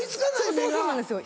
そうなんですよ。